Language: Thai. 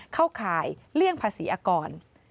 ข่ายเลี่ยงภาษีอากร